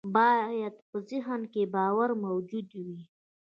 بايد په ذهن کې باور موجود وي.